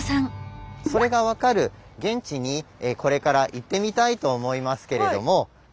それが分かる現地にこれから行ってみたいと思いますけれども。